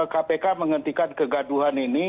kpk menghentikan kegaduhan ini